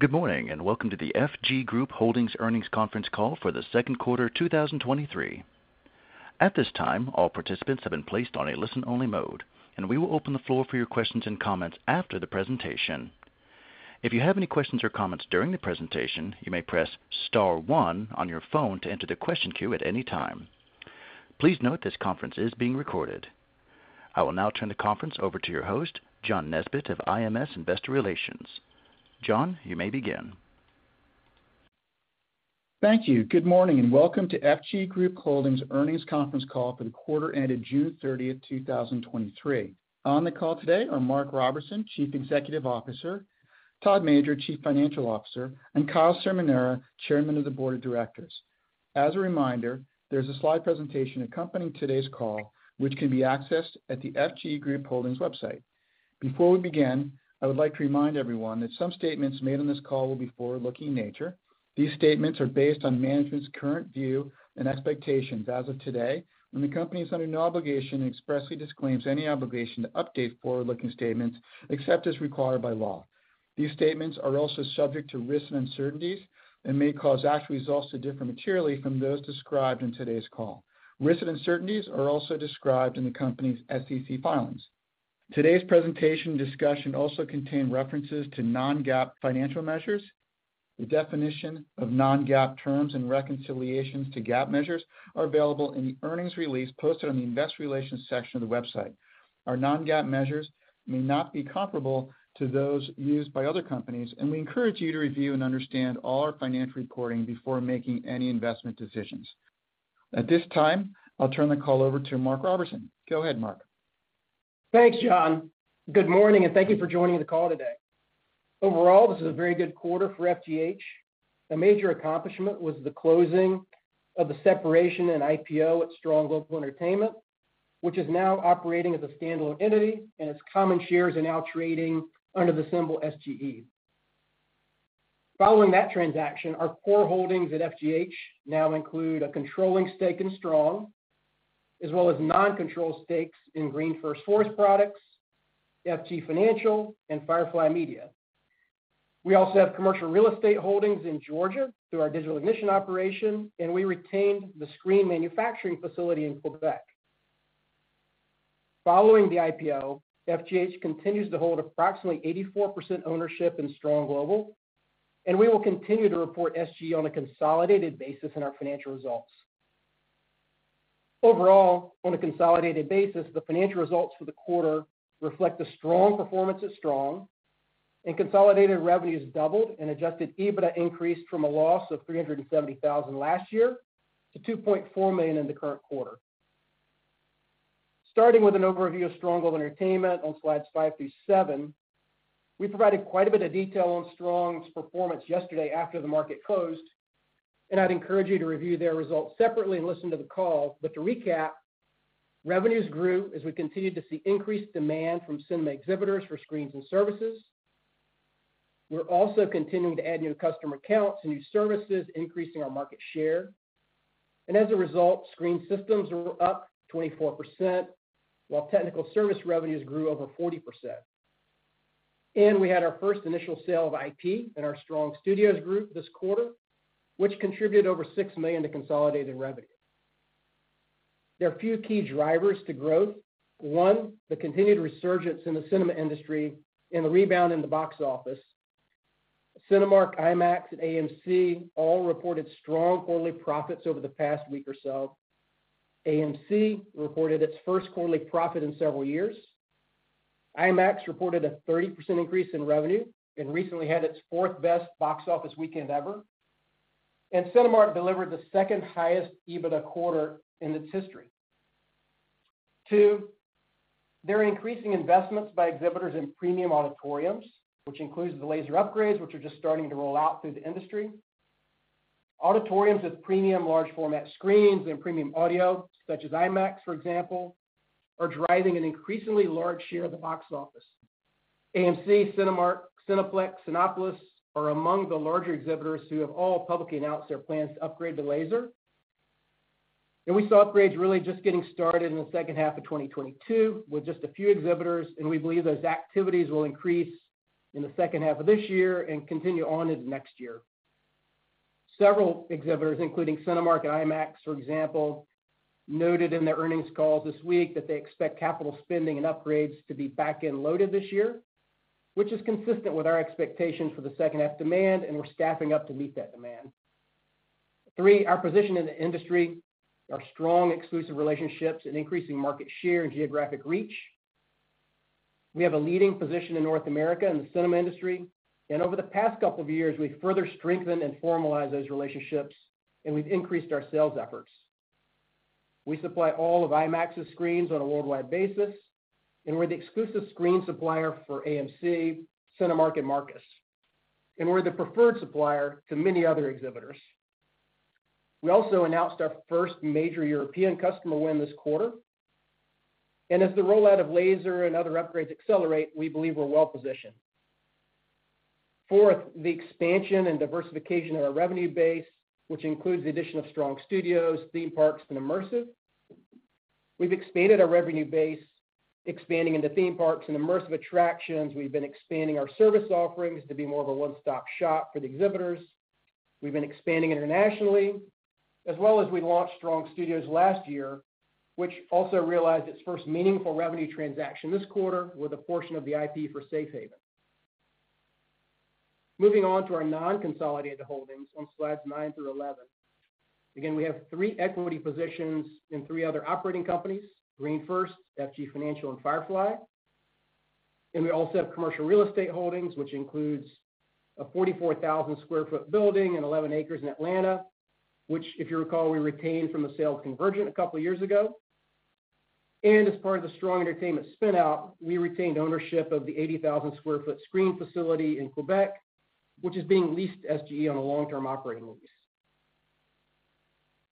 Good morning, and Welcome to The FG Group Holdings Earnings Conference Call for The Second Quarter 2023. At this time, all participants have been placed on a listen-only mode, and we will open the floor for your questions and comments after the presentation. If you have any questions or comments during the presentation, you may press star one on your phone to enter the question queue at any time. Please note, this conference is being recorded. I will now turn the conference over to your host, John Nesbett of IMS Investor Relations. John, you may begin. Thank you. Good morning, and Welcome to FG Group Holdings Earnings Conference Call for The Quarter Ended June 30, 2023. On the call today are Mark Roberson, Chief Executive Officer; Todd Major, Chief Financial Officer; and Kyle Cerminara, Chairman of the Board of Directors. As a reminder, there's a slide presentation accompanying today's call, which can be accessed at the FG Group Holdings website. Before we begin, I would like to remind everyone that some statements made on this call will be forward-looking in nature. These statements are based on management's current view and expectations as of today, and the company is under no obligation and expressly disclaims any obligation to update forward-looking statements, except as required by law. These statements are also subject to risks and uncertainties and may cause actual results to differ materially from those described in today's call. Risks and uncertainties are also described in the company's SEC filings. Today's presentation discussion also contain references to non-GAAP financial measures. The definition of non-GAAP terms and reconciliations to GAAP measures are available in the investor relations section of the website. Our non-GAAP measures may not be comparable to those used by other companies, and we encourage you to review and understand all our financial reporting before making any investment decisions. At this time, I'll turn the call over to Mark Roberson. Go ahead, Mark. Thanks, John. Good morning, and thank you for joining the call today. Overall, this is a very good quarter for FGH. A major accomplishment was the closing of the separation and IPO at Strong Global Entertainment, which is now operating as a standalone entity, and its common shares are now trading under the symbol SGE. Following that transaction, our core holdings at FGH now include a controlling stake in Strong, as well as non-control stakes in GreenFirst Forest Products, FG Financial, and Firefly Systems. We also have commercial real estate holdings in Georgia through our Digital Ignition operation, and we retained the screen manufacturing facility in Québec. Following the IPO, FGH continues to hold approximately 84% ownership in Strong Global, and we will continue to report SG on a consolidated basis in our financial results. Overall, on a consolidated basis, the financial results for the quarter reflect the strong performance of Strong. Consolidated revenues doubled and adjusted EBITDA increased from a loss of $370,000 last year to $2.4 million in the current quarter. Starting with an overview of Strong Global Entertainment on slides five through seven, we provided quite a bit of detail on Strong's performance yesterday after the market closed. I'd encourage you to review their results separately and listen to the call. To recap, revenues grew as we continued to see increased demand from cinema exhibitors for screens and services. We're also continuing to add new customer accounts and new services, increasing our market share. As a result, Screen Systems were up 24%, while Technical Service revenues grew over 40%. We had our first initial sale of IP in our Strong Studios group this quarter, which contributed over $6 million to consolidated revenue. There are a few key drivers to growth. One, the continued resurgence in the cinema industry and the rebound in the box office. Cinemark, IMAX, and AMC all reported strong quarterly profits over the past week or so. AMC reported its first quarterly profit in several years. IMAX reported a 30% increase in revenue and recently had its fourth-best box office weekend ever. Cinemark delivered the second highest EBITDA quarter in its history. Two, there are increasing investments by exhibitors in premium auditoriums, which includes the laser upgrades, which are just starting to roll out through the industry. Auditoriums with premium large format screens and premium audio, such as IMAX, for example, are driving an increasingly large share of the box office. AMC, Cinemark, Cineplex, and Cinépolis are among the larger exhibitors who have all publicly announced their plans to upgrade to laser. We saw upgrades really just getting started in the second half of 2022 with just a few exhibitors, and we believe those activities will increase in the second half of this year and continue on into next year. Several exhibitors, including Cinemark and IMAX, for example, noted in their earnings calls this week that they expect capital spending and upgrades to be back-end loaded this year, which is consistent with our expectations for the second half demand, and we're staffing up to meet that demand. three. Our position in the industry, our strong exclusive relationships and increasing market share and geographic reach. We have a leading position in North America in the cinema industry. Over the past couple of years, we've further strengthened and formalized those relationships, and we've increased our sales efforts. We supply all of IMAX's screens on a worldwide basis. We're the exclusive screen supplier for AMC, Cinemark, and Marcus, and we're the preferred supplier to many other exhibitors. We also announced our first major European customer win this quarter. As the rollout of laser and other upgrades accelerate, we believe we're well positioned. Fourth, the expansion and diversification of our revenue base, which includes the addition of Strong Studios, theme parks, and immersive.... We've expanded our revenue base, expanding into theme parks and immersive attractions. We've been expanding our service offerings to be more of a one-stop shop for the exhibitors. We've been expanding internationally, as well as we launched Strong Studios last year, which also realized its first meaningful revenue transaction this quarter with a portion of the IP for Safehaven. Moving on to our non-consolidated holdings on slides nine through 11. We have three equity positions in three other operating companies, GreenFirst, FG Financial, and Firefly. We also have commercial real estate holdings, which includes a 44,000 sq ft building and 11 acres in Atlanta, which, if you recall, we retained from the sale of Convergent a couple of years ago. As part of the Strong Entertainment spin out, we retained ownership of the 80,000 sq ft screen facility in Québec, which is being leased to SGE on a long-term operating lease.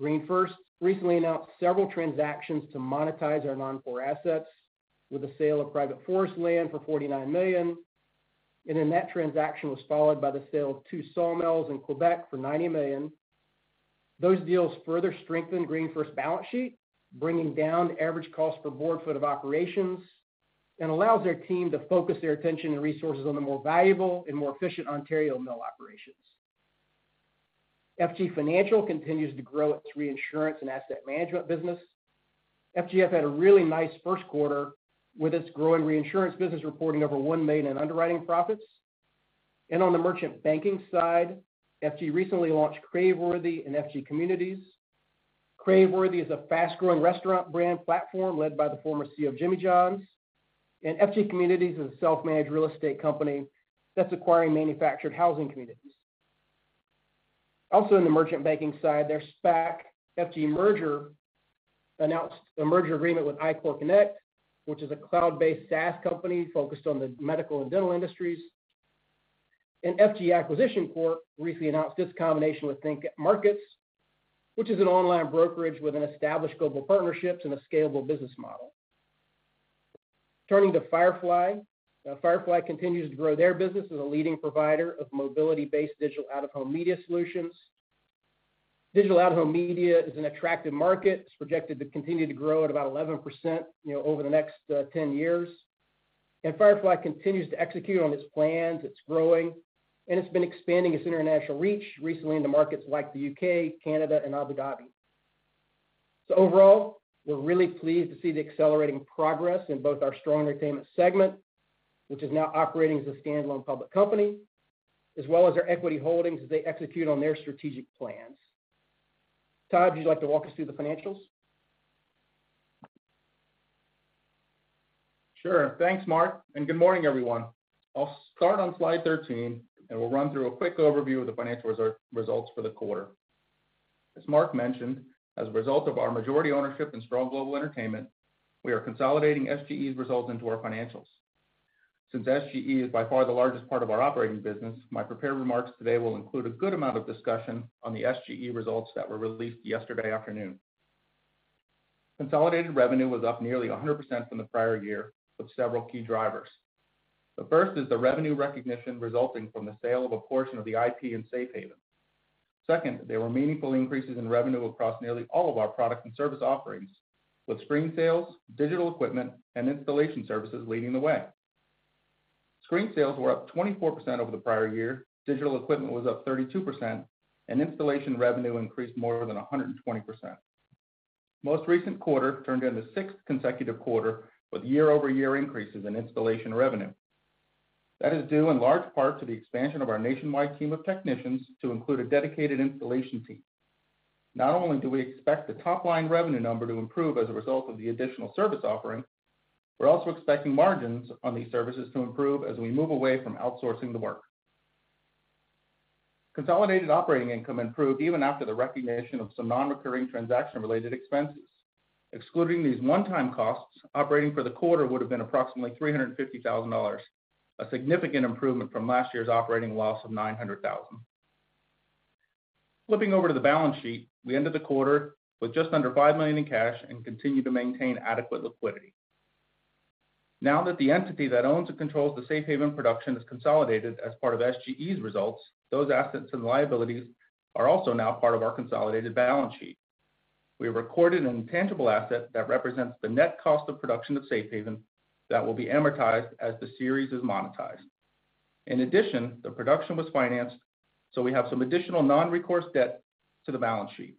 GreenFirst recently announced several transactions to monetize our non-forest assets with the sale of private forest land for $49 million. That transaction was followed by the sale of two sawmills in Québec for $90 million. Those deals further strengthened GreenFirst's balance sheet, bringing down the average cost per board foot of operations and allows their team to focus their attention and resources on the more valuable and more efficient Ontario mill operations. FG Financial continues to grow its reinsurance and asset management business. FGF had a really nice first quarter with its growing reinsurance business, reporting over $1 million in underwriting profits. On the merchant banking side, FG recently launched Craveworthy and FG Communities. Craveworthy is a fast-growing restaurant brand platform led by the former CEO of Jimmy John's. FG Communities is a self-managed real estate company that's acquiring manufactured housing communities. Also, in the merchant banking side, their SPAC, FG Merger, announced a merger agreement with iCoreConnect, which is a cloud-based SaaS company focused on the medical and dental industries. FG Acquisition Corp recently announced its combination with ThinkMarkets, which is an online brokerage with an established global partnerships and a scalable business model. Turning to Firefly. Firefly continues to grow their business as a leading provider of mobility-based digital out-of-home media solutions. Digital out-of-home media is an attractive market. It's projected to continue to grow at about 11%, you know, over the next 10 years. Firefly continues to execute on its plans. It's growing, and it's been expanding its international reach recently into markets like the U.K., Canada, and Abu Dhabi. Overall, we're really pleased to see the accelerating progress in both our Strong Entertainment segment, which is now operating as a standalone public company, as well as our equity holdings as they execute on their strategic plans. Todd, would you like to walk us through the financials? Sure. Thanks, Mark, and good morning, everyone. I'll start on slide 13, and we'll run through a quick overview of the financial results for the quarter. As Mark mentioned, as a result of our majority ownership in Strong Global Entertainment, we are consolidating SGE's results into our financials. Since SGE is by far the largest part of our operating business, my prepared remarks today will include a good amount of discussion on the SGE results that were released yesterday afternoon. Consolidated revenue was up nearly 100% from the prior year, with several key drivers. The first is the revenue recognition resulting from the sale of a portion of the IP in Safehaven. Second, there were meaningful increases in revenue across nearly all of our product and service offerings, with screen sales, digital equipment, and installation services leading the way. Screen sales were up 24% over the prior year, digital equipment was up 32%, and installation revenue increased more than 120%. Most recent quarter turned into sixth consecutive quarter, with year-over-year increases in installation revenue. That is due in large part to the expansion of our nationwide team of technicians to include a dedicated installation team. Not only do we expect the top-line revenue number to improve as a result of the additional service offerings, we're also expecting margins on these services to improve as we move away from outsourcing the work. Consolidated operating income improved even after the recognition of some non-recurring transaction-related expenses. Excluding these one-time costs, operating for the quarter would have been approximately $350,000, a significant improvement from last year's operating loss of $900,000. Flipping over to the balance sheet, we ended the quarter with just under $5 million in cash and continued to maintain adequate liquidity. Now that the entity that owns and controls the Safehaven production is consolidated as part of SGE's results, those assets and liabilities are also now part of our consolidated balance sheet. We recorded an intangible asset that represents the net cost of production of Safehaven that will be amortized as the series is monetized. In addition, the production was financed, so we have some additional non-recourse debt to the balance sheet.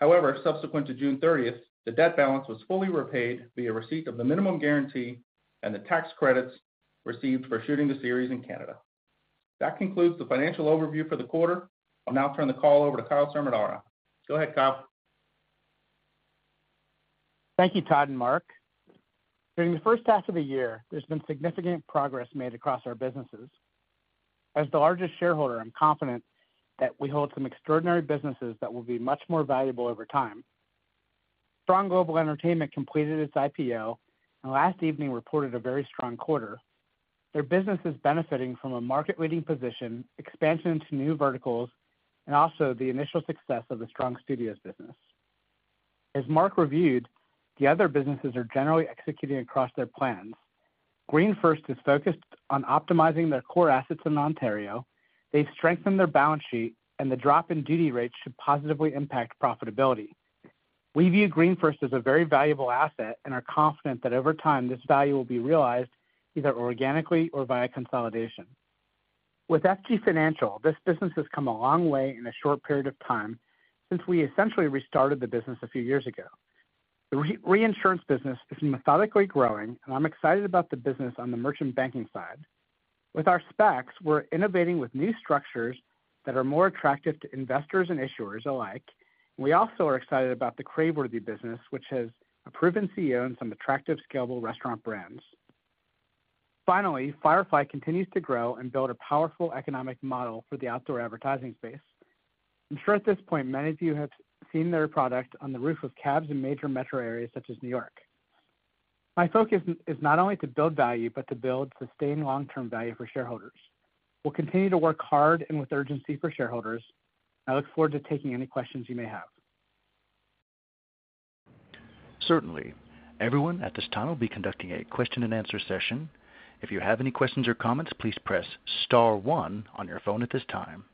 However, subsequent to June thirtieth, the debt balance was fully repaid via receipt of the minimum guarantee and the tax credits received for shooting the series in Canada. That concludes the financial overview for the quarter. I'll now turn the call over to Kyle Cerminara. Go ahead, Kyle. Thank you, Todd and Mark. During the first half of the year, there's been significant progress made across our businesses. As the largest shareholder, I'm confident that we hold some extraordinary businesses that will be much more valuable over time. Strong Global Entertainment completed its IPO and last evening reported a very strong quarter. Their business is benefiting from a market-leading position, expansion into new verticals, and also the initial success of the Strong Studios business. As Mark reviewed, the other businesses are generally executing across their plans. ...GreenFirst is focused on optimizing their core assets in Ontario, they've strengthened their balance sheet. The drop in duty rates should positively impact profitability. We view GreenFirst as a very valuable asset and are confident that over time, this value will be realized either organically or via consolidation. With FG Financial, this business has come a long way in a short period of time since we essentially restarted the business a few years ago. The reinsurance business is methodically growing. I'm excited about the business on the merchant banking side. With our SPACs, we're innovating with new structures that are more attractive to investors and issuers alike. We also are excited about the Craveworthy business, which has a proven CEO and some attractive, scalable restaurant brands. Finally, Firefly continues to grow and build a powerful economic model for the outdoor advertising space. I'm sure at this point, many of you have seen their product on the roof of cabs in major metro areas such as New York. My focus is not only to build value, but to build sustained long-term value for shareholders. We'll continue to work hard and with urgency for shareholders. I look forward to taking any questions you may have. Certainly. Everyone, at this time, we'll be conducting a question and answer session. If you have any questions or comments, please press star one on your phone at this time.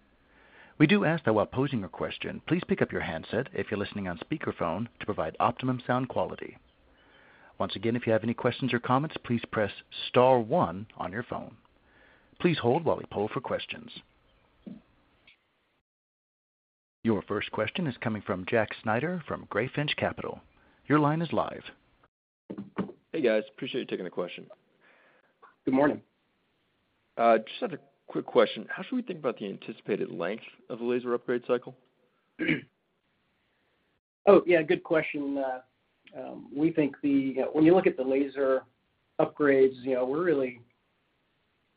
We do ask that while posing your question, please pick up your handset if you're listening on speakerphone to provide optimum sound quality. Once again, if you have any questions or comments, please press star one on your phone. Please hold while we poll for questions. Your first question is coming from Jack Snyder from Greyfinch Capital. Your line is live. Hey, guys. Appreciate you taking the question. Good morning. Just have a quick question. How should we think about the anticipated length of the laser upgrade cycle? Oh, yeah, good question. We think when you look at the laser upgrades, you know, we're really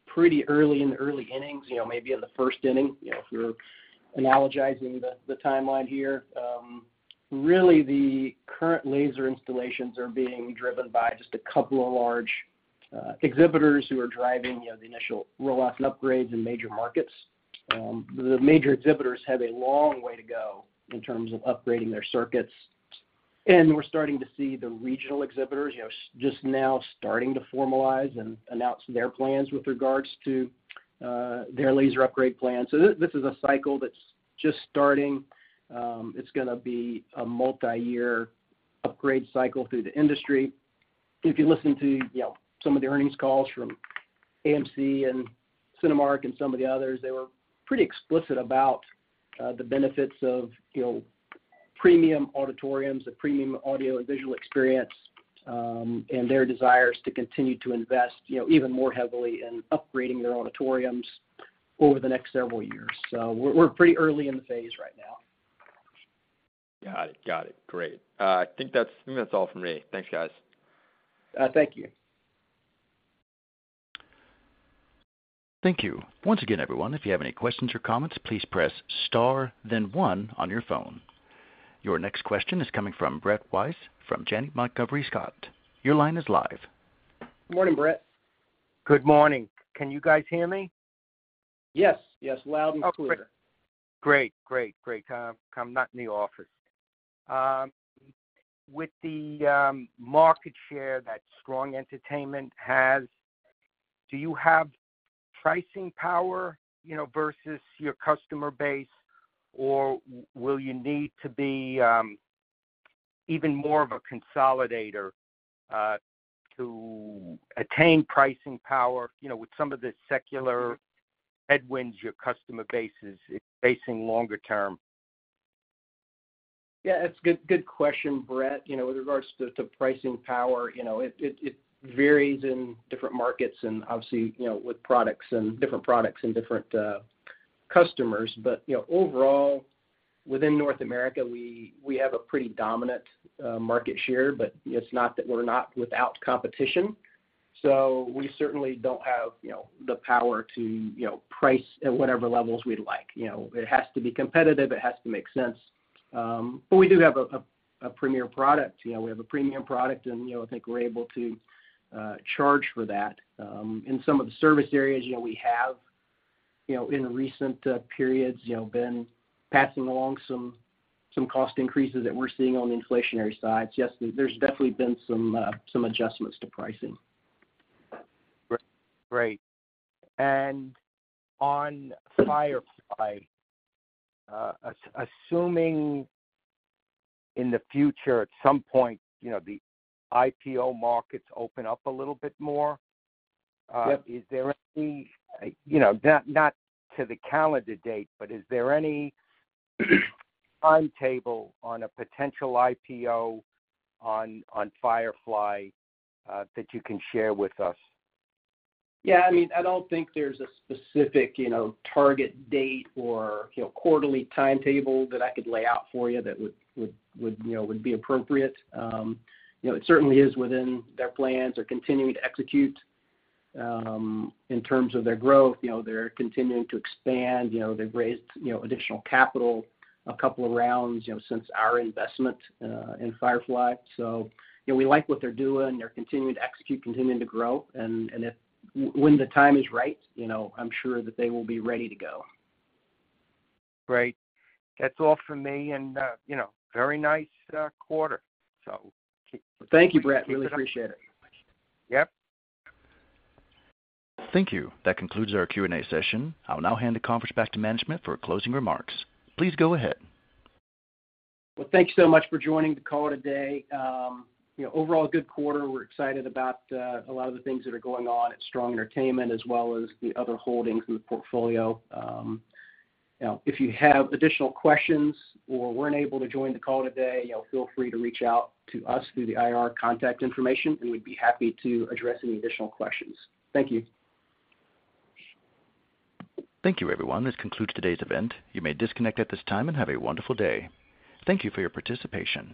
pretty early in the early innings, you know, maybe in the first inning, you know, if you're analogizing the timeline here. Really, the current laser installations are being driven by just a couple of large exhibitors who are driving, you know, the initial rollouts and upgrades in major markets. The major exhibitors have a long way to go in terms of upgrading their circuits, and we're starting to see the regional exhibitors, you know, just now starting to formalize and announce their plans with regards to their laser upgrade plans. This, this is a cycle that's just starting. It's gonna be a multiyear upgrade cycle through the industry. If you listen to, you know, some of the earnings calls from AMC and Cinemark and some of the others, they were pretty explicit about the benefits of, you know, premium auditoriums, the premium audio and visual experience, and their desires to continue to invest, you know, even more heavily in upgrading their auditoriums over the next several years. We're, we're pretty early in the phase right now. Got it. Got it. Great. I think that's all from me. Thanks, guys. Thank you. Thank you. Once again, everyone, if you have any questions or comments, please press star, then one on your phone. Your next question is coming from Brett Reiss, from Janney Montgomery Scott. Your line is live. Morning, Brett. Good morning. Can you guys hear me? Yes. Yes, loud and clear. Great, great, great. I'm not in the office. With the market share that Strong Entertainment has, do you have pricing power, you know, versus your customer base, or will you need to be even more of a consolidator to attain pricing power, you know, with some of the secular headwinds your customer base is facing longer term? Yeah, it's good, good question, Brett. You know, with regards to, to pricing power, you know, it varies in different markets and obviously, you know, with products and different products and different customers. You know, overall, within North America, we have a pretty dominant market share, but it's not that we're not without competition. We certainly don't have, you know, the power to, you know, price at whatever levels we'd like. You know, it has to be competitive, it has to make sense. We do have a premier product. You know, we have a premium product, and, you know, I think we're able to charge for that. In some of the service areas, you know, we have, you know, in recent periods, you know, been passing along some, some cost increases that we're seeing on the inflationary side. Yes, there's definitely been some, some adjustments to pricing. Great. On Firefly, assuming in the future, at some point, you know, the IPO markets open up a little bit more. Yep. Is there any, you know, not, not to the calendar date, but is there any timetable on a potential IPO on, on Firefly, that you can share with us? Yeah, I mean, I don't think there's a specific, you know, target date or, you know, quarterly timetable that I could lay out for you that would, would, would, you know, would be appropriate. You know, it certainly is within their plans. They're continuing to execute, in terms of their growth. You know, they're continuing to expand. You know, they've raised, you know, additional capital, a couple of rounds, you know, since our investment in Firefly. You know, we like what they're doing. They're continuing to execute, continuing to grow, and when the time is right, you know, I'm sure that they will be ready to go. Great. That's all for me, and, you know, very nice quarter. Thank you, Brett. Really appreciate it. Yep. Thank you. That concludes our Q&A session. I'll now hand the conference back to management for closing remarks. Please go ahead. Well, thank you so much for joining the call today. You know, overall, a good quarter. We're excited about a lot of the things that are going on at Strong Entertainment, as well as the other holdings in the portfolio. You know, if you have additional questions or weren't able to join the call today, you know, feel free to reach out to us through the IR contact information, and we'd be happy to address any additional questions. Thank you. Thank you, everyone. This concludes today's event. You may disconnect at this time and have a wonderful day. Thank you for your participation.